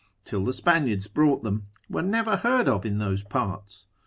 till the Spaniards brought them, were never heard of in those parts?